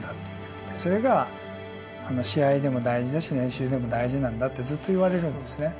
それが試合でも大事だし練習でも大事なんだ」ってずっと言われるんですね。